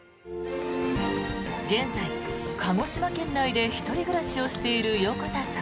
現在、鹿児島県内で１人暮らしをしている横田さん。